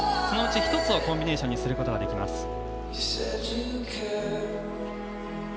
そのうち１つをコンビネーションにすることができます。